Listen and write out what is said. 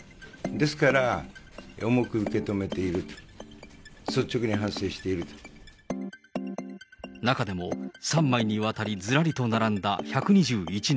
ですから、重く受け止めている、中でも、３枚にわたり、ずらりと並んだ１２１人。